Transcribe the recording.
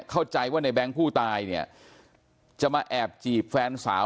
เข้าใจว่าในแบงค์ผู้ตายเนี่ยจะมาแอบจีบแฟนสาว